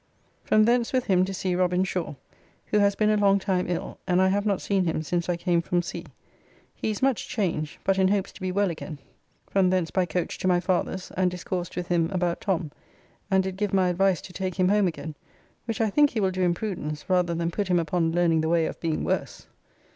From thence with him to see Robin Shaw, who has been a long time ill, and I have not seen him since I came from sea. He is much changed, but in hopes to be well again. From thence by coach to my father's, and discoursed with him about Tom, and did give my advice to take him home again, which I think he will do in prudence rather than put him upon learning the way of being worse.